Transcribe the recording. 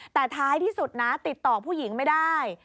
แต่ท้ายที่สุดนะติดต่อผู้หญิงไม่ได้